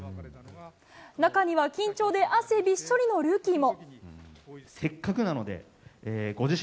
中には、緊張で汗びっしょりのルーキーも。